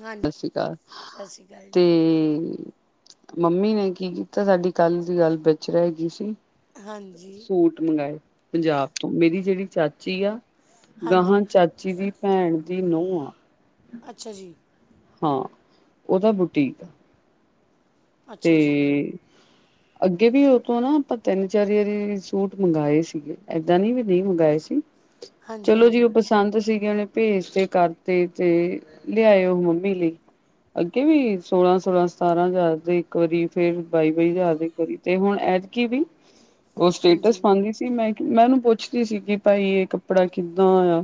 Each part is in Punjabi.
ਹਾਂਜੀ ਸਸੀ ਕਾਲ, ਸਤਿ ਸ਼੍ਰੀ ਤੇ ਮੰਮੀ ਨੇ ਕੀ ਕੀਤਾ ਸਾਡੀ ਕੱਲ ਦੀ ਗੱਲ ਵੇਚ ਰੈ ਗੀ ਸੀ। ਹਾਂਜੀ। ਜੀ ਸੂਟ ਮੰਗਾਏ, ਪੰਜਾਬ ਤੋਂ, ਮੇਰੀ ਜੇੜੀ ਚਾਚੀ ਆ ਹਾਂਜੀ ਗਹਾਂ ਚਾਚੀ ਦੀ ਭੈਣ ਦੀ ਨੋਹ ਆ। ਅੱਛਾ ਜੀ। ਹਾਂ, ਓਤਾ ਬੁਟੀਕ ਆ। ਤੇ ਅੱਛਾ ਜੀ ਅੱਗੇ ਵੀ ਓ ਤੋ ਨਾ ਆਪਾਂ ਤੇਨ-ਚਾਰ ਵਾਰੀ ਸੂਟ ਮੰਗਾਏ ਸੀਗੇ ਏਦਾਂ ਨੀ ਵੀ ਨਈ ਮੰਗਵਾਏ ਸੀ। ਹਾਂਜੀ ਚਲੋ ਜੀ ਓ ਹਾਂਜੀ ਪਸੰਦ ਸੀਗੇ ਓਨੇ ਭੇਜ ਤੇ ਕਰਤੇ ਤੇ, ਲੇਆਏ ਓ ਮੰਮੀ ਲੀ। ਅੱਗੇ ਵੀ ਸੋਲਾਂ-ਸੋਲਾਂ ਸਤਾਰਾਂ ਹਜ਼ਾਰ ਦੇ ਕਰੀ ਫੇਰ ਬਾਈ-ਬਾਈ ਜਾ ਦੇ ਕਰੀ ਤੇ ਹੁਣ ਐਤਕੀ ਵੀ, ਓ ਸਟੇਟਸ ਹਾਂਜੀ ਪਾਦੀ ਸ ਕੇ ਮੈਂ ਕੇ ਮੈਂ ਓਨੂੰ ਪੁੱਛਦੀ ਸੀਗੀ ਭਾਈ ਏ ਕੱਪੜਾ ਕਿੱਦਾਂ ਆ।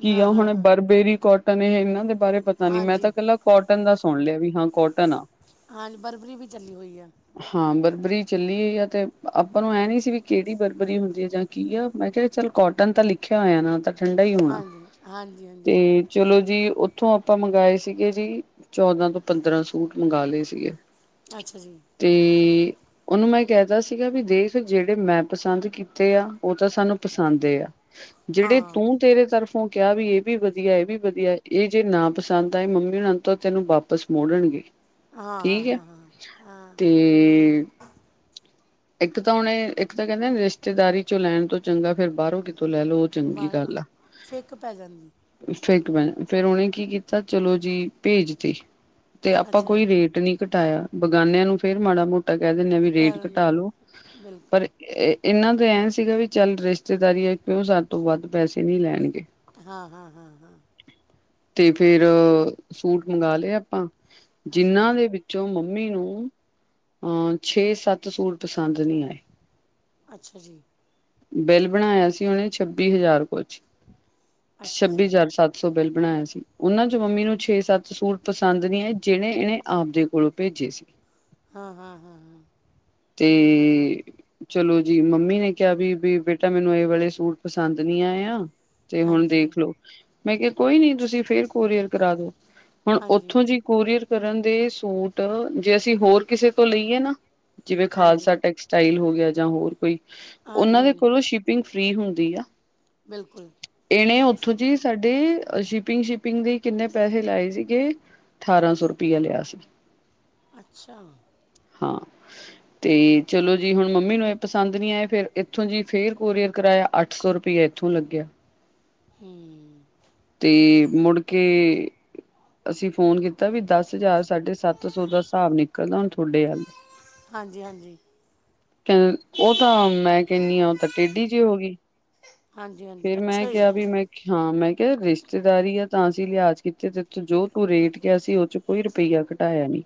ਕੀ ਆ ਹਾਂ ਹਾਂ ਹੁਣ ਹਾਂ ਬਰਬੇਰੀ ਕੋਟਨ ਏ ਏਨਾਂ ਦੇ ਬਾਰੇ ਪਤਾ ਨੀ ਮੈਂ ਤਾਂ ਹਾਂਜੀ ਕੱਲਾ ਕੌਟਨ ਦਾ ਸੁਣ ਲੇਆ ਵੀ ਹਾਂ ਕੌਟਨ ਆ। ਹਾਂ ਜੀ ਬਰਬਰੀ ਵੀ ਚੱਲੀ ਹੋਈ ਆ। ਹਾਂ ਬਰਬਰੀ ਚੱਲੀ ਏ ਜਾਂ ਤੇ, ਆਪਾਂ ਨੂੰ ਐ ਨੀ ਸੀ ਵੀ ਕੇੜੀ ਬਰਬਰੀ ਹੁੰਦੀ ਹੈ ਜਾਂ ਕੀ ਆ ਮੈਂ ਕੇਆ ਚੱਲ ਕੌਟਨ ਤਾਂ ਲੀਖੇਆ ਹੋਏਆ ਨਾ ਤਾਂ ਠੰਡਾ ਹੀ ਹੋਣਾ, ਹਾਂਜੀ ਹਾਂਜੀ ਹਾਂਜੀ ਤੇ ਚਲੋ ਜੀ ਉੱਥੋਂ ਆਪਾਂ ਮੰਗਵਾਏ ਸੀਗੇ ਜੀ ਚੌਦਾਂ ਤੋਂ ਪੰਦਰਾਂ ਸੂਟ ਮੰਗਵਾ ਲਏ ਸੀਗੇ ਅੱਛਾ ਜੀ। ਤੇ ਓਨੂੰ ਮੈਂ ਕੈ ਤਾ ਸੀਗਾ ਵੀ ਦੇਖ ਜੇੜੇ ਮੈਂ ਪਸੰਦ ਕੀਤੇ ਆ, ਓ ਤਾਂ ਸਾਨੂੰ ਪਸੰਦੇ ਆ। ਜੇੜੇ ਹਾਂ ਤੂੰ ਤੇਰੇ ਤਰਫ ਤੂੰ ਕੇਆ ਵੀ ਏ ਵੀ ਵਧੀਆ ਏ ਵੀ ਵਧੀਆ ਏ ਜੇ ਨਾ ਪਸੰਦ ਆਏ ਮੰਮੀ ਹੋ ਤੋਂ ਤੈਨੂੰ ਵਾਪਿਸ ਮੋੜਨਗੇ। ਹਾਂ-ਹਾਂ-ਹਾਂ-ਹਾਂ-ਹਾਂ। ਹੂੰ। ਇੱਕ ਤਾਂ ਹੁਣ ਐ ਇੱਕ ਤਾਂ ਕਹਿੰਦੇ ਰਿਸ਼ਤੇਦਾਰੀ ਚੋਂ ਲੈਣ ਤੋਂ ਚੰਗਾ ਫੇਰ ਬਾਹਰੋਂ ਕਿਤੋਂ ਲੈ ਲੋ। ਬ ਫਿਕ ਪੈ ਜਾਂਦੀ। ਫਿਕ ਪੈ ਫੇਰ ਉਹਨੇ ਕੀ ਕੀਤਾ ਚਲੋ ਜੀ ਭੇਜਤੀ। ਤੇ ਆਪਾਂ ਅੱਛਾ ਕੋਈ ਜੀ ਰੇਟ ਨੀ ਘਟਾਇਆ ਬਗਾਨਿਆਂ ਨੂੰ ਫੇਰ ਮਾੜਾ ਮੋਟਾ ਕਹਿ ਦਿੰਨੇ ਆ ਵੀ ਕਹਿ ਰੇਟ ਦਿੰਦੇ ਘਟਾ ਹਾਂ ਲੋ ਪਰ ਬਿਲਕੁਲ ਇਹ ਇਹਨਾਂ ਤਾਂ ਐਂ ਸੀਗਾ ਵੀ ਚੱਲ ਰਿਸ਼ਤੇਦਾਰੀਆਂ ਕਿਉਂ ਸਾਡੇ ਤੋਂ ਵੱਧ ਪੈਸੇ ਨੀ ਲੈਣਗੇ। ਹਾਂ-ਹਾਂ-ਹਾਂ-ਹਾਂ, ਤੇ ਫੇਰ ਸੂਟ ਮੰਗਾ ਲੇ ਆਪਾਂ ਅੱਛਾ ਜਿੰਨਾਂ ਜੀ ਦੇ ਵਿੱਚ ਚੋਂ ਮੰਮੀ ਨੂੰ ਅਹ ਛੇ ਸੱਤ ਸੂਟ ਪਸੰਦ ਨੀ ਆਏ। ਅੱਛਾ ਜੀ। ਬਿੱਲ ਬਣਾਇਆ ਸੀ ਉਹਨੇ ਛੱਬੀ ਹਜ਼ਾਰ ਕੁਛ, ਅੱਛਾ ਛੱਬੀ ਜੀ ਹਜ਼ਾਰ ਸੱਤ ਸੌ ਬਿੱਲ ਬਣਾਇਆ ਸੀ ਉਹਨਾਂ ਚ ਮੰਮੀ ਨੂੰ ਛੇ ਸੱਤ ਸੂਟ ਪਸੰਦ ਨਹੀਂ ਆ ਜਿਹੜੇ ਇਹਨੇ ਆਪਦੇ ਕੋਲੋਂ ਭੇਜੇ ਸੀ। ਹਾਂ-ਹਾਂ-ਹਾਂ-ਹਾਂ, ਤੇ ਚਲੋ ਜੀ ਮੰਮੀ ਨੇ ਕਿਹਾ ਵੀ ਬ ਬੇਟਾ ਮੈਨੂੰ ਇਹ ਵਾਲੇ ਸੂਟ ਪਸੰਦ ਨੀ ਆਏ ਆ। ਤੇ ਹੁਣ ਹਾਂਜੀ ਦੇਖਲੋ, ਮੈਂ ਕਿਹਾ ਕੋਈ ਨੀ ਤੁਸੀਂ ਫੇਰ ਕੋਰੀਅਰ ਕਰਾ ਦੋ ਹੁਣ ਹਾਂਜੀ ਉੱਥੋਂ ਜੀ ਕੋਰੀਅਰ ਕਰਨ ਦੇ ਸੂਟ ਜੇ ਅਸੀਂ ਹੋਰ ਕਿਸੇ ਤੋਂ ਲਈਏ ਨਾ। ਜਿਵੇਂ ਹਾਂਜੀ ਖਾਲਸਾ ਟੈਕਸਟਾਈਲ ਹੋ ਗਿਆ ਜਾਂ ਹੋਰ ਕੋਈ, ਉਹਨਾਂ ਹਾਂਜੀ ਦੇ ਹਾਂਜੀ ਕੋਲੋਂ ਸ਼ ਪਿੰਗ ਫ੍ਰਰੀ ਹੁੰਦੀ ਆ ਬਿਲਕੁਲ, ਇਹਨੇ ਉੱਥੋਂ ਜੀ ਸਾਡੇ ਸ਼ਿਪਿੰਗ ਸ਼ਿਪਿੰਗ ਦੇ ਕਿੰਨੇ ਪੈਸੇ ਲਾਏ ਸੀਗੇ। ਠਾਰਾਂ ਸੌ ਰੁਪਇਆ ਲਿਆ ਸੀ। ਅੱਛਾ, ਹਾਂ, [inaudible] ਤੇ ਚਲੋ ਜੀ ਹੁਣ ਮੰਮੀ ਨੂੰ ਇਹ ਪਸੰਦ ਨੀ ਆਏ ਫਿਰ ਇੱਥੋਂ ਜੀ ਫੇਰ ਕੋਰੀਅਰ ਕਰਾਇਆ ਅੱਠ ਸੌ ਰੁਪਈਆ ਇੱਥੋਂ ਲੱਗਿਆ। ਹੂੰ, ਤੇ ਮੁੜ ਕੇ ਅਸੀਂ ਫੋਨ ਕੀਤਾ ਵੀ ਦਸ ਹਜ਼ਾਰ ਸਾਢੇ ਸੱਤ ਸੌ ਦਾ ਹਿਸਾਬ ਨਿਕਲਦਾ ਹੁਣ ਥੋਡੇ ਵੱਲ ਹਾਂਜੀ-ਹਾਂਜੀ, ਉਹ ਤਾਂ ਮੈਂ ਕਹਿੰਨੀ ਆ ਉਹ ਤਾਂ ਟੇਢੀ ਜੀ ਹੋ ਗਈ। ਹਾਂਜੀ ਹਾਂਜੀ ਫੇਰ ਮੈਂ ਅੱਛਾ ਜੀ ਕਿਹਾ ਵੀ ਮੈਂ ਹਾਂ ਮੈਂ ਕਿਹਾ ਰਿਸ਼ਤੇਦਾਰੀ ਆ ਤਾਂ ਅਸੀਂ ਲਿਹਾਜ ਕੀਤੇ ਤੇਥੋਂ ਜੋ ਤੂੰ ਰੇਟ ਕਿਆ ਸੀ ਉਹ ਚ ਕੋਈ ਰੁਪਈਆ ਘਟਾਇਆ ਨੀ,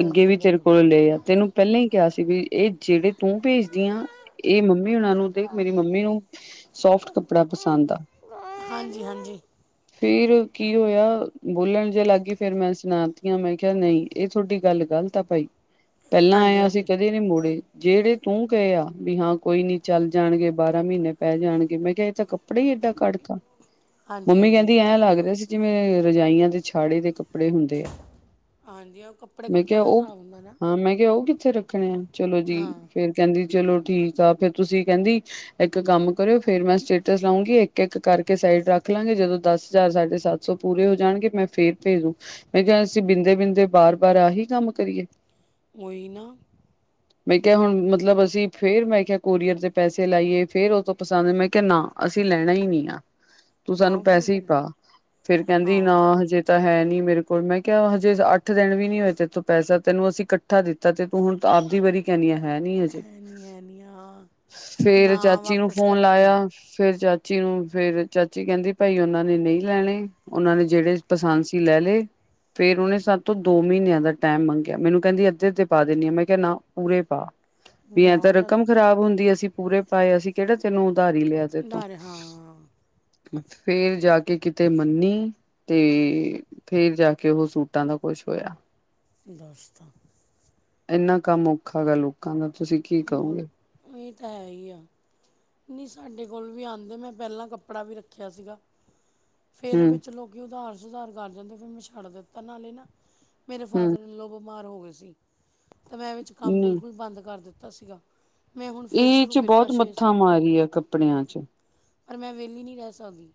ਅੱਗੇ ਵੀ ਤੇਰੇ ਬਿਲਕੁਲ ਕੋਲ ਲਏ ਆ ਤੈਨੂੰ ਪਹਿਲਾਂ ਹੀ ਕਿਹਾ ਸੀ ਵੀ ਇਹ ਜਿਹੜੇ ਤੂੰ ਭੇਜਦੀ ਆ। ਇਹ ਮੰਮੀ ਹੋਣਾ ਨੂੰ ਦੇ ਮੇਰੀ ਮੰਮੀ ਨੂੰ ਸੋਫਟ ਕੱਪੜਾ ਪਸੰਦ ਆ। ਹਾਂਜੀ-ਹਾਂਜੀ, ਫੇਰ ਕੀ ਹੋਇਆ ਬੋਲਣ ਜੇ ਲੱਗ ਗਈ ਫੇਰ ਮੈਂ ਸੁਣਾਤੀਆ ਮੈਂ ਕਿਹਾ ਨਈ। ਇਹ ਤੁਹਾਡੀ ਗੱਲ ਗੱਲਤ ਆ ਭਾਈ [inaudible] ਪਹਿਲਾਂ ਆਏ ਆ ਅਸੀ ਹਾਂਜੀ ਕਦੇ ਨੀ ਮੋੜੇ ਜਿਹੜੇ ਤੂੰ ਕਏ ਆ ਵੀ ਹਾਂ ਕੋਈ ਨੀ ਚੱਲ ਜਾਣਗੇ ਬਾਰਾਂ ਮਹੀਨੇ ਪੈ ਜਾਣਗੇ ਮੈਂ ਗਏ ਤਾਂ ਕੱਪੜੇ ਹੀ ਏਡਾ ਕੱੜਤਾ, ਹਾਂਜੀ ਮੰਮੀ ਹਾਂਜੀ ਕਹਿੰਦੀ ਐਂ ਲੱਗਦਾ ਸੀ। ਜਿਵੇਂ ਰਜਾਈਆਂ ਦੇ ਛਾੜੇ ਦੇ ਕੱਪੜੇ ਹੁੰਦੇ ਐ। ਹਾਂਜੀ ਉਹ ਕੱਪੜੇ ਮੈਂ ਕੱਪੜੇ ਕੇਆ ਦਾ ਓ ਹਿਸਾਬ ਹੁੰਦਾ ਨਾ ਹਾਂ ਮੈਂ ਕੇਆ ਓ ਕਿੱਥੇ ਰੱਖਣੇ ਆ ਚਲੋ ਜੀ ਹਾਂ ਫੇਰ ਕੈਂਦੀ ਚਲੋ ਠੀਕ ਆ ਫੇਰ ਤੁਸੀਂ ਕੈਂਦੀ ਏਕ ਕੰਮ ਕਰਿਓ ਫੇਰ ਮੈਂ ਸਟੇਟਸ ਲਾਂਊਂਗੀ ਏਕ ਏਕ ਕਰਕੇ ਸਾਈਡ ਰੱਖ ਲਾਂਗੇ ਜਦੋਂ ਦਸ ਹਜ਼ਾਰ ਸਾਢੇ ਸੱਤ ਸੌ ਪੂਰੇ ਹੋ ਜਾਣਗੇ ਮੈਂ ਫੇਰ ਭੇਜੂੰ ਮੈਂ ਕੇਆ ਅਸੀ ਬਿੰਦੇ, ਬਿੰਦੇ ਬਾਰ, ਬਾਰ ਆਹੀ ਕੰਮ ਕਰੀਏ। ਓਈ ਨਾ ਮੈਂ ਕੇਆ ਹੁਣ ਮਤਲਬ ਅਸੀਂ ਫੇਰ ਮੈਂ ਕੇਆ ਕੋਰੀਅਰ ਤੇ ਪੈਸੇ ਲਾਈਏ ਫੇਰ ਓ ਤੋਂ ਪਸੰਦ ਮੈਂ ਕਿ ਨਾ ਅਸੀਂ ਲੈਣਾ ਈ ਨੀ ਆ ਤੂੰ ਆਹ ਸਾਨੂੰ ਫਿਰ ਪੈਸੇ ਈ ਬਣ ਪਾ ਫੇਰ ਕੈਂਦੀ ਹਾਂ ਨਾ ਹਜੇ ਤਾਂ ਹੈ ਨੀ ਮੇਰੇ ਕੋਲ ਮੈਂ ਕੇਆ ਹਜੇ ਅੱਠ ਦਿਨ ਵੀ ਨੀ ਹੋਏ ਤੈਥੋਂ ਪੈਸਾ ਤੈਨੂੰ ਅਸੀਂ ਕੱ ਕੱਠਾ ਦਿੱਤਾ ਤੇ ਤੂੰ ਹੁਣ ਆਪਦੀ ਵਾਰੀ ਕੈਨੀ ਐ। ਹੈ ਨੀ ਹਜੇ ਹੈ ਨਹੀਂ ਹੈ ਨਹੀਂ ਹਾਂ ਉਹ ਫੇਰ ਨਾ ਚਾਚੀ ਨੂੰ ਵਾਪਸ ਫੋਨ ਕਰਨ ਦੇ ਲਾਇਆ। ਫੇਰ ਚਾਚੀ ਨੂੰ, ਫੇਰ ਚਾਚੀ ਕਹਿੰਦੀ ਭਾਈ ਓਨਾਂ ਨੇ ਨਈ ਲੈਣੇ। ਓਨਾਂ ਨੇ ਜੇੜੇ ਪਸੰਦ ਸੀ ਲੈ ਲੇ। ਫੇਰ ਓਨੇ ਸਾਤ ਤੋਂ ਦੋ ਮੀਨਿਆਂ ਦਾ ਟੈਮ ਮੰਗਿਆ ਮੈਨੂੰ ਕੈਂਦੀ ਅੱਧੇ ਤੇ ਪਾ ਦਿੰਦੀ ਆਂ ਮੈਂ ਕੇਆ ਨਾ ਪੂਰੇ ਪਾ। ਵੀ ਐਂ ਜਾਓ ਤਾਂ ਜਦ ਰਕਮ ਖ਼ਰਾਬ ਹੁੰਦੀ ਅਸੀਂ ਪੂਰੇ ਪਾਏ ਅਸੀਂ ਕੇੜ੍ਹਾ ਤੈਨੂੰ ਉਧਾਰੀ ਲੇਆ। ਤੇ ਤੋਂ ਉਧਾਰੇ ਹਾਂ ਫੇਰ ਜਾ ਕੇ ਕਿਤੇ ਮੰਨੀ ਤੇ ਫੇਰ ਜਾ ਕੇ ਓ ਸੂਟਾਂ ਦਾ ਕੁਛ ਹੋਇਆ। ਦਸਤ [unintelligible] ਏਨਾ ਕੰਮ ਔਖਾ ਗਾ ਲੋਕਾਂ ਨਾ ਹੋਰ ਏ ਤਾਂ ਹੈ ਈ ਆ। ਨੀ ਸਾਡੇ ਕੋਲ ਵੀ ਆਂਦੇ ਮੈਂ ਪੈਲਾਂ ਕੱਪੜਾ ਵੀ ਰੱਖਿਆ ਸੀਗਾ। ਫੇਰ ਹੂੰ ਵਿੱਚ ਲੋਕੀ ਉਧਾਰ ਸੁਧਾਰ ਕਰ ਜਾਂਦੇ ਫੇਰ ਮੈਂ ਛੱਡ ਦਿੱਤਾ ਨਾਲੇ ਨਾ ਮੇਰੇ ਹੂੰ ਫਾਦਰ ਇਨ ਲੋਅ ਬਿਮਾਰ ਹੋ ਗੇ ਸੀ ਤਾਂ ਮੈਂ ਵਿੱਚ ਕੰਮ ਨਹੀਂ ਬਿਲਕੁਲ ਬੰਦ ਕਰ ਦਿੱਤਾ ਸੀਗਾ। ਮੈਂ ਹੁਣ ਫੇਰ ਇਹ ਸ਼ੁਰੂ ਚ ਕੀਤਾ ਬਹੁਤ ਛੇ, ਮੱਥਾ ਸੱਤ ਨੂੰ। ਮਾਰੀ ਆ ਕੱਪੜਿਆਂ ਚ ਪਰ ਮੈਂ ਵੇਲੀ ਨੀ ਰੈ ਸਕਦੀ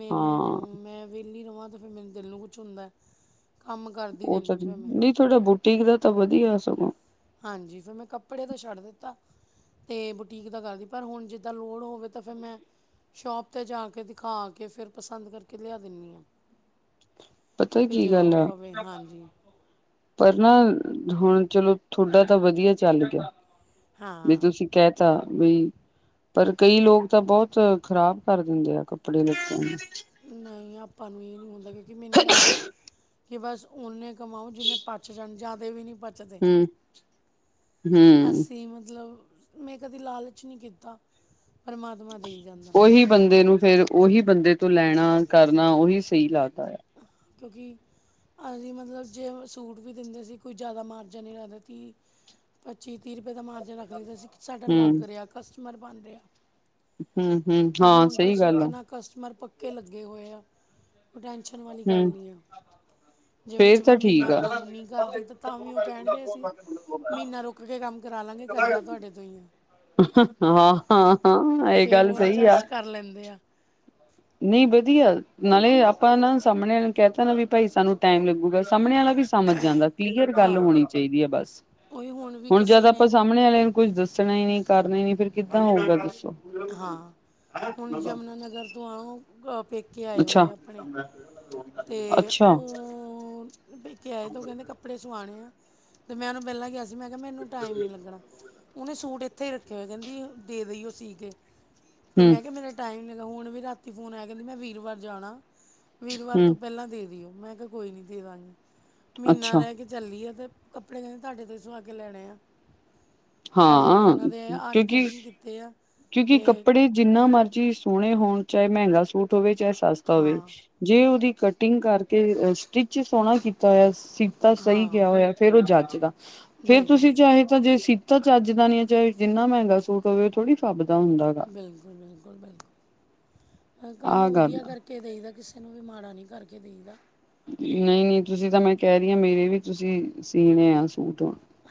ਮੈਨੂੰ, ਹਾਂ ਮੈਂ ਵੇਲੀ ਰਵਾਂ ਤੇ ਫਿਰ ਮੈਨੂੰ ਦਿਲ ਨੂੰ ਕੁਛ ਹੁੰਦਾ ਐ। ਓ ਤਾਂ ਜੀ ਨਈ ਥੋਡਾ ਬੂਟੀਕ ਦਾ ਤਾਂ ਵਧੀਆ ਸਗੋਂ। ਹਾਂਜੀ, ਫਿਰ ਮੈਂ ਕੱਪੜੇ ਦਾ ਛੱਡ ਦਿੱਤਾ। ਤੇ ਬੁਟੀਕ ਦਾ ਕਰਦੀ ਪਰ ਹੁਣ ਜਿੱਦਾਂ ਲੋੜ ਹੋਵੇ ਤਾਂ ਫਿਰ ਮੈਂ ਸ਼ੋਪ 'ਤੇ ਜਾ ਕੇ ਦਿਖਾ ਕੇ ਫੇਰ ਪਸੰਦ ਕਰਕੇ ਲਿਆ ਦਿੰਨੀ ਆਂ। ਪਤਾ ਕਿ ਕੀ ਜੇ ਗੱਲ ਲੋੜ ਆ ਪਵੇ, ਹਾਂਜੀ। ਪਰ ਨਾ ਹੁਣ ਚਲੋ ਥੋਡਾ ਤਾਂ ਵਧੀਆ ਚੱਲ ਗੇਆ ਵੀ ਹਾਂ ਤੁਸੀਂ ਕਹਿ ਤਾ ਵੀ ਪਰ ਕਈ ਲੋਕ ਤਾਂ ਬੌਤ ਖ਼ਰਾਬ ਕਰ ਦਿੰਦੇ ਆ ਕੱਪੜੇ ਲੱਤੇ ਨੂੰ। ਨਈ ਆਪਾਂ ਨੂੰ ਏ ਨੀ ਹੁੰਦਾ ਕਿਉਂਕਿ ਮੈਨੂੰ ਐ ਹੁੰਦਾ ਕਿ ਬਸ ਓਨੇ ਕਮਾਓ ਜਿੰਨੇ ਪਚ ਜਾਣ ਜਾਦੇ ਵੀ ਨੀ ਪਚਦੇ। ਹੁੰ ਅਸੀਂ ਮਤਲਬ ਮੈਂ ਕਦੇ ਲਾਲਚ ਨੀ ਕੀਤਾ ਪਰਮਾਤਮਾ ਦੇ ਓਹੀ ਬੰਦੇ ਨੂੰ ਫੇਰ ਓਹੀ ਬੰਦੇ ਤੋਂ ਲੈਣਾ ਕਰਨਾ ਓਹੀ ਸਈ ਲੱਗਦਾ ਆ। ਕਿਓਕਿ ਅਸੀਂ ਮਤਲਬ ਜੇ ਓ ਸੂਟ ਵੀ ਦਿੰਦੇ ਸੀ ਕੋਈ ਜ਼ਿਆਦਾ ਮਾਰਜਨ ਨੀ ਰੱਗਦੇ ਥੀ। ਪੱਚੀ, ਤੀਹ ਰਪਏ ਦਾ ਮਾਰਜਨ ਰੱਖ ਲਈ ਦਾ ਸੀ ਸਾਡਾ ਹੂੰ ਲੱਗ ਰੇਆ ਕਸਟਮਰ ਬਣ ਰੇਆ। ਹੂੰ ਹੂੰ ਤਾਂ ਹਾਂ ਹੁਣ ਤਾਂ ਸਹੀ ਗੱਲ ਸੋਖ ਆ ਨਾ ਕਸਟਮਰ ਪੱਕੇ ਲੱਗੇ ਹੋਏ ਆ ਕੋਈ ਟੈਂਸ਼ ਨ ਵਾਲੀ ਗੱਲ ਹੂੰ ਨੀ ਆ। ਜੇ ਵਿੱਚ ਫੇਰ ਤਾਂ ਮੈਂ ਠੀਕ ਮੀਨਾ ਆ ਕੰਮ ਨੀ ਕਰਦੀ ਤੇ ਤਾਂ ਵੀ ਓ ਕੈਨਗੇ ਅਸੀ ਮੀਨਾ ਰੁਕ ਕੇ ਕੰਮ ਕਰਾ ਲਾਂਗੇ ਕਰਨਾ ਤੁਆਡੇ ਤੋਂ ਈ ਆ। ਹਾਂ-ਹਾਂ-ਹਾਂ ਤੇ ਇਹ ਫੇਰ ਗੱਲ ਉਹ ਸਹੀ ਆ। ਅਡਜਸਟ ਕਰ ਲੈਂਦੇ ਆ। ਨਹੀਂ ਵਧੀਆ ਨਾਲੇ ਆਪਾਂ ਨਾ ਸਾਹਮਣੇ ਕਹਿਤਾ ਨਾ ਵੀ ਭਾਈ ਸਾਨੂੰ ਟਾਈਮ ਲੱਗੂ। ਸਾਹਮਣੇ ਵਾਲਾ ਵੀ ਸਮਝ ਜਾਂਦਾ ਕਲੀਅਰ ਗੱਲ ਹਾਂ ਹੋਣੀ ਚਾਹੀਦੀ ਹੈ ਬਸ। ਉਹੀ ਵੀ ਹੁਣ ਕਿਸੇ ਜਦ ਆਪਾਂ ਨੇ ਸਾਹਮਣੇ ਵਾਲਿਆਂ ਨੂੰ ਕੁੱਝ ਦੱਸਣਾ ਹੀ ਨੀ ਕਰਨਾ ਹੀ ਨੀ ਫੇਰ ਕਿੱਦਾਂ ਹੋਊਗਾ ਦੱਸੋ। ਹਾਂ ਹੁਣ ਯਮੁਨਾਾਨਗਰ ਤੋਂ ਆਓ। ਪੇਕੇ ਆਏ ਹੋਏ ਆ ਅੱਛਾ-ਅੱਛਾ ਆਪਣੇ ਅਤੇ ਉਹ ਪੇਕੇ ਆਏ ਤੇ ਉਹ ਕਹਿੰਦੇ ਕੱਪੜੇ ਸਵਾਉਣੇ ਆ ਤੇ ਮੈਂ ਉਹਨੂੰ ਪਹਿਲਾਂ ਕਿਆ ਸੀ। ਮੈਂ ਕਿਹਾ ਮੈਨੂੰ ਟਾਈਮ ਨਹੀਂ ਲੱਗਣਾ, ਉਹਨੇ ਸੂਟ ਇੱਥੇ ਹੀ ਰੱਖੇ ਹੋਏ ਕਹਿੰਦੀ ਦੇ ਦੇਈਓ ਸੀ ਕੇ। ਤੇ ਮੈਂ ਕਿਹਾ ਹੂੰ-ਹੂੰ ਮੇਰਾ ਟਾਈਮ ਨੀ ਲਗਾ ਹੁਣ ਵੀ ਰਾਤੀ ਫੋਨ ਆਇਆ ਕਹਿੰਦੀ ਮੈਂ ਵੀਰਵਾਰ ਜਾਣਾ। ਵੀਰਵਾਰ ਤੋਂ ਪਹਿਲਾਂ ਦੇ ਦਿਓ ਮੈਂ ਕਿਹਾ ਕੋਈ ਨੀ ਦੇ ਦਾਂਗੀ, ਮਹੀਨਾ ਅੱਛਾ ਰਹਿ ਕੇ ਚੱਲੀ ਆ ਤੇ ਕੱਪੜੇ ਕਹਿੰਦੇ ਤੁਹਾਡੇ ਤੋਂ ਹੀ ਸੁਆ ਕੇ ਲੈਣੇ ਆ। ਤਾਂ ਹੁਣ ਹਾਂ ਉਹਨਾਂ ਦੇ ਅੱਜ ਕਿਉਂਕਿ ਕਟਿੰਗ ਕੀਤੇ ਆ। ਕਿਉਂਕਿ ਤੇ ਕੱਪੜੇ ਜਿੰਨਾ ਮਰਜੀ ਸੋਹਣੇ ਹੋਣ ਚਾਹੇ ਮਹਿੰਗਾ ਸੂਟ ਹੋਵੇ, ਚਾਹੇ ਸਸਤਾ ਹੋਵੇ ਹਾਂ ਜੇ ਉਹਦੀ ਕਟਿੰਗ ਕਰਕੇ ਸਟਿਚ ਸੋਹਣਾ ਕੀਤਾ ਹੋਇਆ ਤਾਂ ਸਹੀ ਹਾਂ ਕਿਹਾ ਹੋਇਆ ਫੇਰ ਉਹ ਜੱਚ ਦਾ, ਫੇਰ ਬਿਲਕੁਲ ਤੁਸੀਂ ਚਾਹੇ ਤਾਂ ਜੇ ਤਾਂ ਚੱਜ ਦਾ ਨੀ ਹੈ ਚਾਹੇ ਜਿੰਨਾ ਮਹਿੰਗਾ ਸੂਟ ਹੋਵੇ ਉਹ ਥੋੜੀ ਫੱਬਦਾ ਹੁੰਦਾ ਹੈਗਾ। ਬਿਲਕੁਲ- ਬਿਲਕੁਲ, ਬਿਲਕੁਲ ਮੈਂ ਕੰਮ ਆਹ ਗੱਲ ਵਧੀਆ ਆ ਕਰਕੇ ਕੇ ਦੇਈ ਦਾ ਕਿਸੇ ਨੂੰ ਵੀ ਮਾੜਾ ਨਹੀਂ ਕਰਕੇ ਦੇਈਦਾ। ਨਹੀਂ- ਨਹੀਂ ਤੁਸੀਂ ਤਾਂ ਮੈਂ ਕਹਿ ਰਹੀ ਹਾਂ ਮੇਰੇ ਵੀ ਤੁਸੀਂ, ਸੀਣੇ ਆ ਸੂਟ।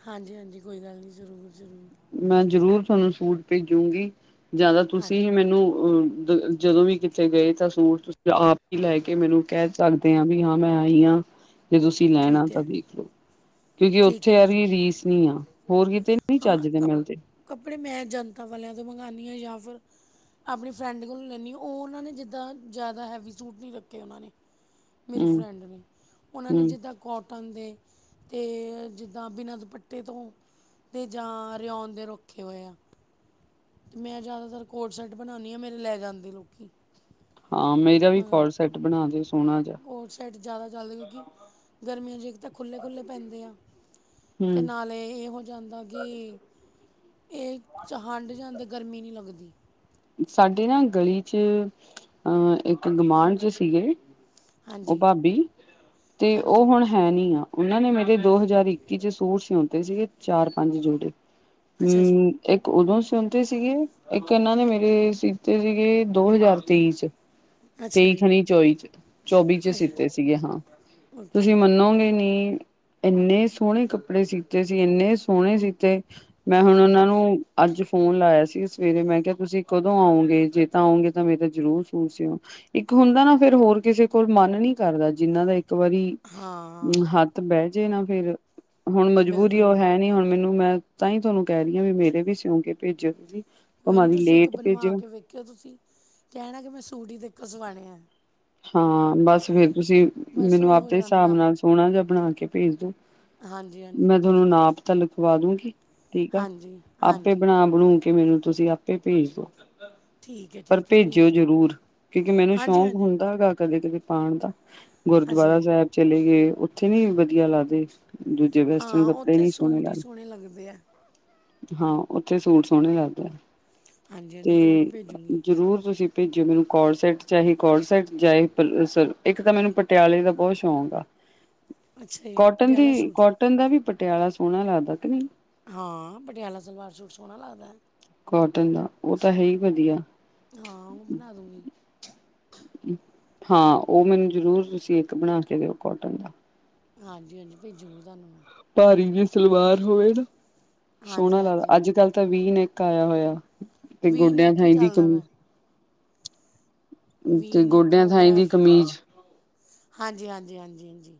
ਹਾਂਜੀ- ਹਾਂਜੀ ਕੋਈ ਗੱਲ ਨਹੀਂ ਜ਼ਰੂਰ- ਜ਼ਰੂਰ। ਮੈਂ ਜ਼ਰੂਰ ਤੁਹਾਨੂੰ ਸੂਟ ਭੇਜੂਗੀ ਜਾ ਤਾਂ ਤੁਸੀਂ ਹਾਂਜੀ ਹੀ ਮੈਨੂੰ ਅ- ਜਦੋਂ ਵੀ ਕਿਤੇ ਗਏ ਤਾਂ ਸੂਟ ਤੁਸ ਆਪ ਹੀ ਲੈ ਕੇ ਮੈਨੂੰ ਕਹਿ ਸਕਦੇ ਹਾਂ ਵੀ ਹਾਂ ਮੈਂ ਆਈ ਹਾਂ। ਜੇ ਤੁਸੀਂ ਲੈਣਾ ਠੀਕ ਤਾਂ ਹੈ ਦੇਖਲੋ, ਕਿਉਂਕਿ ਠੀਕ ਉੱਥੇ ਹੈ ਯਾ ਜੀ ਰੀ ਜੀ ਰੀਸ ਨੀ ਆ, ਹੋਰ ਕਿਤੇ ਨ- ਹਾਂ ਚੱਜ ਦੇ ਮਿਲਦੇ। ਕੱਪ- ਕੱਪੜੇ ਮੈਂ ਜਨਤਾ ਵਾਲਿਆਂ ਤੋਂ ਮੰਗਵਾਉਂਦੀ ਹਾਂ ਜਾਂ ਫੇਰ ਆਪਣੀ ਫਰੈਂਡ ਕੋਲੋਂ ਲੈਂਦੀ ਉਹ ਉਹਨਾਂ ਨੇ ਜਿੱਦਾਂ ਜ਼ਿਆਦਾ ਹੈਵੀ ਸੂਟ ਨਹੀਂ ਰੱਖੇ ਉਹਨਾਂ ਨੇ। ਮੇਰੀ ਹੂੰ। ਫਰੈਂਡ ਨੇ ਉਹਨਾਂ ਨੇ ਹੂੰ ਜਿੱਦ ਕੋਟਨ ਦੇ, ਤੇ ਜਿੱਦਾਂ ਬਿਨਾਂ ਦੁਪੱਟੇ ਤੋਂ ਤੇ ਜਾਂ ਰਿਆਉਣ ਦੇ ਰੁੱਖੇ ਹੋਏ ਆ। ਤੇ ਮੈਂ ਜ਼ਿਆਦਾਤਰ ਕੋਡ ਸੈੱਟ ਬਣਾਉਂਦੀ ਹਾਂ ਮੇਰੇ ਲੈ ਜਾਂਦੇ ਲੋਕੀ। ਹਾਂ ਮੇਰਾ ਵੀ ਕੋਡ ਸੈਟ ਬਣਾ ਦੇਓ ਸੋਹਣਾ ਜਿਹਾ। ਸੈਟ ਜਿਆਦਾ ਚੱਲਦੇ, ਕਿਉਂਕਿ ਗਰਮੀਆਂ ਚ ਇੱਕ ਤਾਂ ਖੁੱਲੇ- ਖੁੱਲੇ ਪੈਂਦੇ ਆ, ਤੇ ਹੂੰ। ਨਾਲ ੇ ਇਹ ਹੋ ਜਾਂਦਾ ਕਿ ਇਹ, ਚ ਹੰਡ ਜਾਂਦੇ ਗਰਮੀ ਨਹੀਂ ਲੱਗਦੀ। ਸਾਡੇ ਨਾ ਗਲੀ ਚ ਅਹ ਇੱਕ ਗਵਾਂਢ ਜੇ ਸੀਗੇ। ਉਹ ਹਾਂਜੀ ਭਾਬੀ, ਤੇ ਉਹ ਹਾਂਜੀ ਹੁਣ ਹੈ ਨਹੀਂ ਆ, ਉਹਨਾਂ ਨੇ ਮੇਰੇ ਦੋ ਹਜ਼ਾਰ ਇੱਕੀ ਚ ਸੂਟ ਸਿਉਂਤੇ ਸੀਗੇ ਚਾਰ- ਪੰਜ ਜੋੜੇ। ਅੱਛਾ ਜੀ ਹੂੰ ਇੱਕ ਉਦੋਂ ਸਿਉਂਤੇ ਸੀਗੇ, ਇੱਕ ਇਹਨਾਂ ਨੇ ਮੇਰੇ ਸੀਤੇ ਸੀਗੇ ਦੋ ਹਜ਼ਾਰ ਤੇਈ ਚ। ਅੱਛਾ ਤੇਈ ਜੀ ਖਣੀ ਚੌਵੀ ਚ ਚੌਵੀ ਚ ਅੱਛਾ ਸੀਤੇ ਸੀਗੇ ਹਾਂ। ਓਕੇ ਤੁਸੀਂ ਮੰਨੋਗੇ ਨੀ ਇੰਨੇ ਸੋਹਣੇ ਕੱਪੜੇ ਸੀਤੇ ਸੀ- ਇੰਨੇ ਸੋਹਣੇ ਸੀਤੇ ਮੈਂ ਹੁਣ ਹਾਂ ਉਹਨਾਂ ਨੂੰ ਅੱਜ ਫੋਨ ਲਾਇਆ ਸੀ ਸਵੇਰੇ ਮੈਂ ਕਿਹਾ ਤੁਸੀਂ ਕਦੋਂ ਆਉਂਗੇ ਜੇ ਤਾਂ ਆਉਂਗੇ ਤਾਂ ਮੇਰਾ ਜ਼ਰੂਰ ਸੂਟ ਸੂਈਓ। ਇੱਕ ਹੁੰਦਾ ਨਾ ਫੇਰ ਹੋਰ ਕਿਸੇ ਕੋਲ ਮਨ ਨਹੀਂ ਕਰਦਾ ਜਿੰਹਨਾ ਦਾ ਇੱਕ ਇੱਕ ਵਾਰੀ ਹਾਂ ਹੱਥ ਬਹਿ ਜੇ ਨਾ ਫੇਰ। ਹੁਣ ਮਜਬੂਰੀ ਬਿਲਕੁਲ ਉਹ ਬਿਲ- ਹੈ ਨੀ ਹੁਣ ਮੈਨੂੰ ਮੈਂ ਤਾਂ ਹੀ ਥੋਨੂੰ ਕਹਿ ਰੀ ਵੀ ਮੇਰੇ ਵੀ ਸਿਉਂ ਕੇ ਭੇਜਿਓ ਤੁਸੀਂ ਕੋਈ ਨਹੀਂ ਭਾਵੇਂ ਤੁਸੀਂ ਇੱਕ ਲੇਟ ਬਣਵਾ ਭੇਜਿਓ ਕੇ ਵੇਖਿਓ ਤੁਸੀਂ, ਕਹਿਣਾ ਕਿ ਮੈਂ ਸੂਟ ਹੀ ਤੇਤੋ ਸਵਾਣੇ ਐ। ਹਾਂ ਬਸ ਫੇਰ ਤੁਸੀਂ ਮੈਨੂੰ ਉਹ ਹੋ ਆਪਦੇ ਹਿਸਾਬ ਜਾਂਦਾ ਨਾਲ ਸੋਹਣਾ ਜਾ ਬਣਾ ਕੇ ਭੇਜ ਦੋ, ਹਾਂਜੀ, ਹਾਂਜੀ, ਮੈਂ ਹਾਂਜੀ। ਤੁਹਾਨੂੰ ਨਾਪ ਤਾਂ ਲਿਖਵਾ ਦੂਗੀ ਠੀਕ ਆ, ਹਾਂਜੀ ਆਪੇ ਹਾਂਜੀ ਬਣਾ ਬਣੂ ਕੇ ਮੈਨੂੰ ਤੁਸੀਂ ਤੇ ਭੇਜ ਦਿਓ, ਠੀਕ ਹੈ ਪਰ ਠੀਕ ਹੈ ਭੇਜਿਓ ਭੇਜ ਦਿਓ ਜ਼ਰੂਰ ਕਿਉਂਕਿ ਮੈਨੂੰ ਹਾਂਜੀ ਸ਼ੌਕ ਹਾਂਜੀ ਕਦੇ ਕਦੇ ਪਾਣ ਦਾ, ਅੱਛਾ ਗੁਰਦੁਆਰਾ ਜੀ ਸਾਹਿਬ ਚਲੇ ਗਏ ਉੱਥੇ ਵੀ ਵਧੀਆ ਲੱਗਦੇ। ਦੂਜੇ ਵੈਸਟਰਨ ਹਾਂ ਕੱਪੜੇ ਵੀ ਉੱਥੇ ਨੀ ਸੋਣੇ ਸੂਟ ਹੀ ਲਗਦੇ। ਸੋਹਣੇ ਲੱਗਦੇ ਆ ਹਾਂ ਉੱਥੇ ਸੂਟ ਸੋਹਣੇ ਲੱਗਦੇ ਆ। ਹਾਂਜੀ ਹਾਂਜੀ ਜ਼ਰੂਰ ਤੇ ਭੇਜੂੰਗੀ ਜ਼ਰੂਰ ਤੁਸੀਂ ਭੇਜਿਓ ਮੈਨੂੰ ਕੋਲ ਸੈਟ ਚਾਹੇ ਕੋਟ ਸੈਟ ਜਾ ਇੱਕ ਤਾਂ ਮੈਨੂੰ ਪਟਿਆਲੇ ਦਾ ਬਹੁਤ ਸ਼ੌਂਕ ਆ। ਅੱਛਾ ਜੀ ਕੋਟਨ ਪਟਿਆਲਾ ਦੀ ਸੂਟ ਕੋਟਨ ਦਾ ਵੀ ਪਟਿਆਲਾ ਸੋਹਣਾ ਲੱਗਦਾ ਕਿ ਨਹੀਂ ਹਾਂ ਪਟਿਆਲਾ ਸਲਵਾਰ ਸੂਟ ਸੋਹਣਾ ਲੱਗਦਾ। ਕੋਟਨ ਦਾ ਉਹ ਤਾਂ ਹੈ ਈ ਵਧੀਆ। ਹਾਂ ਉਹ ਬਣਾ ਦੂੰਗੀ। ਹਾਂ ਉਹ ਮੈਨੂੰ ਜ਼ਰੂਰ ਤੁਸੀਂ ਇੱਕ ਬਣਾ ਕੇ ਦਿਓ ਕੋਟਨ ਦਾ। ਹਾਂਜੀ-ਹਾਂਜੀ ਭੇਜੂੰਗੀ ਤੁਹਾਨੂੰ ਮੈਂ ਭਾਰੀ ਵੀ ਸਲਵਾਰ ਹੋਵੇ ਨਾ, ਹਾਂਜੀ ਸੋਹਣਾ ਲੱਗਦਾ ਹਾਂਜੀ ਅੱਜ ਕੱਲ ਤਾਂ ਵੀ ਨੇ ਕਾਇਆ ਹੋਇਆ, ਤੇ ਵੀ ਗੋਡਿਆਂ ਨੈਕ ਹੀ ਥੀ ਦੀ ਚੁ ਚੱਲਦਾ ਵਾ ਵੀ ਤੇ ਨੈਕ ਗੋਡਿਆਂ ਹੋ ਥਾਈ ਗਿਆ, ਦੀ ਕਮੀਜ਼ ਹਾਂਜੀ-ਹਾਂਜੀ-ਹਾਂਜੀ-ਹਾਂਜੀ।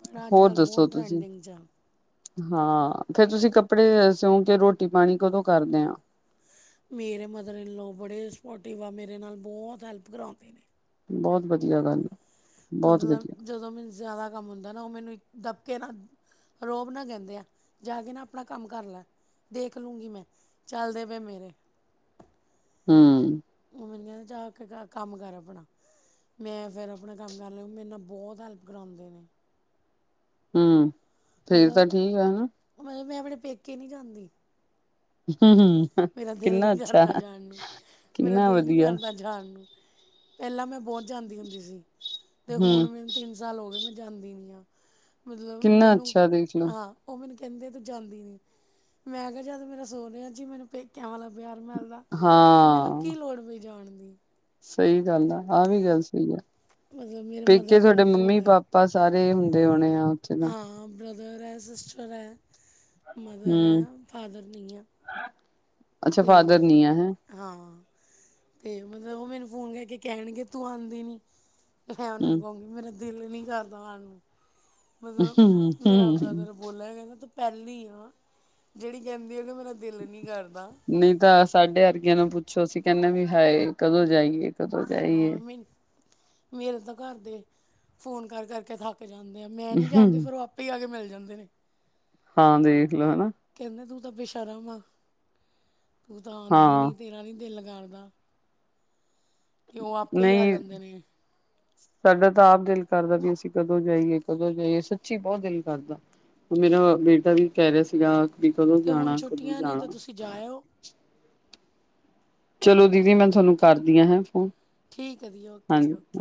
ਪਰ ਹੋਰ ਅੱਜ-ਕੱਲ ਦੱਸੋ ਬਹੁਤ ਤੁਸੀਂ ਟਰੈਂਡਿੰਗ 'ਚ ਐ। ਹਾਂ ਫੇਰ ਤੁਸੀਂ ਕੱਪੜੇ ਸਿਉਂ ਕੇ ਰੋਟੀ ਪਾਣੀ ਕਦੋਂ ਕਰਦੇ ਆ? ਮੇਰੇ ਮਦਰ ਇਨ ਲੋ ਬੜੇ ਸਪੋਰਟਿਵ ਆ ਮੇਰੇ ਨਾਲ ਬਹੁਤ ਹੈਲਪ ਕਰਾਉਦੇ ਨੇ। ਬਹੁਤ ਵਧੀਆ ਗੱਲ ਐ। ਬਹੁਤ ਮਤਲਬ ਵਧੀਆ ਜਦੋਂ ਮੈਨੂੰ ਜ਼ਿਆਦਾ ਕੰਮ ਹੁੰਦਾ ਨਾ ਉਹ ਮੈਨੂੰ ਦੱਬਕੇ ਨਾਲ ਰੋਬ ਨਾ ਕਹਿੰਦੇ ਆ ਜਾ ਕੇ ਨਾ ਆਪਣਾ ਕੰਮ ਕਰ ਲੈ। ਦੇਖ ਲੂੰਗੀ ਮੈਂ, ਚੱਲ ਦੇਵੇ ਮੇਰੇ ਹੂੰ, ਮੈਨੇ ਜਾ ਕੇ ਕਿਹਾ ਕੰਮ ਕਰ ਆਪਣਾ, ਮੈਂ ਫਿਰ ਆਪਣਾ ਕੰਮ ਕਰ ਲਿਆ ਮੇਰੇ ਨਾਲ ਬਹੁਤ ਹੈਲਪ ਕਰਾਉਦੇ ਨੇ। ਹੂੰ, ਫੇਰ ਮਤਲਬ ਤਾਂ ਠੀਕ ਆ ਹਨਾ। ਮਤਲਬ ਮੈਂ ਆਪਣੇ ਪੇਕੇ ਨੀ ਜਾਂਦੀ। [inaudible] ਮੇਰਾ ਦਿਲ ਨੀ ਕਿੰਨਾ ਅੱਛਾ ਕਰਦਾ ਜਾਣ ਨੂੰ, ਮੇਰਾ ਕਿੰਨਾ ਦਿਲ ਨੀ ਵਧੀਆ ਕਰਦਾ ਜਾਣ ਨੂੰ ਪਹਿਲਾਂ ਮੈਂ ਬਹੁਤ ਜਾਂਦੀ ਹੁੰਦੀ ਸੀ, ਤੇ ਹੁਣ ਹੂੰ ਮੈਨੂੰ ਤਿੰਨ ਸਾਲ ਹੋ ਗਏ ਮੈਂ ਜਾਂਦੀ ਨੀ ਆ। ਮਤਲਬ ਕਿੰਨਾ ਮੈਨੂੰ ਅੱਛਾ ਦੇਖਲੋ ਹਾਂ। ਉਹ ਮੈਨੂੰ ਕਹਿੰਦੇ ਤੂੰ ਜਾਂਦੀ ਨੀ, ਮੈਂ ਕਿਹਾ ਜਦ ਮੇਰਾ ਸੋ ਰਿਹਾ ਜੀ ਮੈਨੂੰ ਕਿਆ ਵਾਲਾ ਪਿਆਰ ਮਿਲਦਾ, ਤੇ ਮੈਨੂੰ ਹਾਂ ਕੀ ਲੋੜ ਪਈ ਜਾਣ ਦੀ। ਸਹੀ ਗੱਲ ਆ ਆਹ ਵੀ ਗੱਲ ਸਹੀ ਐ, ਮਤਲਬ ਮੇਰੇ ਪੇਕੇ ਮਦਰ ਦਾ ਥੋਡੇ ਵੀ ਫੋਨ ਮੰਮੀ ਪਾਪਾ ਹੈ ਆਪਾਂ ਸਾਰੇ ਹੁੰਦੇ ਹੋਣੇ ਆ ਉੱਥੇ ਤਾਂ, ਹਾਂ ਬ੍ਰਦਰ ਐ ਸਿਸਟਰ ਐ, ਮਦਰ ਐ ਹੂੰ ਫਾਦਰ ਨੀ ਐ। ਅੱਛਾ ਤੇ ਫਾਦਰ ਨੀ ਆ ਹੈਂ ਹਾਂ, ਤੇ ਮਤਲਬ ਉਹ ਮੈਨੂੰ ਫੋਨ ਕਰਕੇ ਕਹਿਣਗੇ ਤੂੰ ਆਦੀ ਨੀ। ਮੈਂ ਉਹਨਾ ਨੂੰ ਹੂੰ ਕਹੂੰਗੀ ਮੇਰਾ ਦਿਲ ਨੀ ਕਰਦਾ ਆਣ ਨੂੰ ਮਤਲਬ, ਹੂੰ ਮੇਰਾ ਹੂੰ। ਬ੍ਰਦਰ ਬੋਲਿਆ ਕਹਿਦਾ ਤੁੰ ਪਹਿਲੀ ਆ, ਜਿਹੜੀ ਕਹਿੰਦੀ ਆ ਕਿ, ਮੇਰਾ ਦਿਲ ਨੀ ਕਰ ਨਹੀਂ ਤਾਂ ਸਾਢੇ ਅਰਗੀਆਂ ਨੂੰ ਪੁੱਛੋ, ਅਸੀਂ ਕਹਿੰਣੇ, ਵੀ ਹਾਏ ਕਦੋਂ ਜਾਏਗੀ ਨਾ ਮੀ, ਮੇਰੇ ਤਾਂ ਘਰ ਦੇ ਫੋਨ, ਕਰ-ਕਰ ਕੇ ਥੱਕ ਤੇ ਜਾਂਦੇ ਆ ਮੈਂ ਨਹੀਂ ਜਾਂਦੀ, ਫਿਰ ਉਹ ਆਪੇ ਆ ਕੇ, ਮਿਲ ਜਾਂਦੇ ਨੇ ਹਾਂ, ਦੇਖ ਲਓ ਨਾ ਕਹਿੰਦੇ ਤੂੰ ਤਾਂ ਬੇਸ਼ਰਮ ਵ, ਤੂੰ ਤਾਂ ਆਉਂਦੀ ਹਾਂ ਨਈ, ਤੇਰਾ ਨਈ ਦਿਲ ਕਰਦਾ ਤੇ ਉਹ, ਆਪੇ ਹੀ ਆ ਨਹੀਂ ਜਾਂਦੇ ਨੇ, ਸਾਡਾ ਤਾਂ, ਆਪ ਦਿਲ ਕਰਦਾ ਵੀ, ਅਸੀਂ ਕਦੋਂ ਜਾਈਏ- ਕਦੋਂ ਜਾਈਏ, ਸੱਚੀ ਬਹੁਤ ਦਿਲ ਕਰਦਾ ਮੇਰਾ ਬੇਟਾ ਵੀ, ਕਹਿ ਰਿਹਾ ਸੀਗਾ, ਵੀ ਕਦੋਂ ਤੇ ਹੁਣ ਜਾਣਾ- ਕਦੋਂ ਛੁੱਟੀਆਂ ਨੇ ਤਾਂ ਜਾਣਾ ਤੁਸੀਂ ਜਾਇਓ ਚਲੋ ਦੀਦੀ, ਮੈਂ ਤੁਹਾਨੂੰ ਕਰਦੀ ਹ ਹੈ ਫੋਨ ਠੀਕ ਹੈ ਜੀ, ਓਕੇ ਜੀ ਓਕੇ